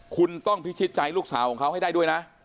คุณต้องพิชิตใจลูกสาวของเขาให้ได้ด้วยนะ